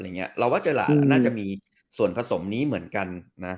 เราว่าเจอหลานน่าจะมีส่วนผสมนี้เหมือนกันนะ